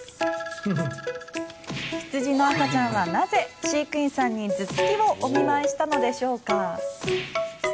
羊の赤ちゃんはなぜ飼育員さんに頭突きをお見舞いしたのでしょうか。